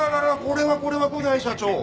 これはこれは五大社長。